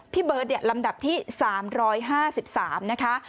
พี่เบิร์ตลำดับที่๓๕๓นะคะ